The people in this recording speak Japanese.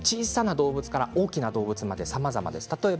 小さな動物から大きな動物までさまざまです。